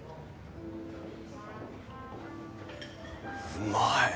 うまい！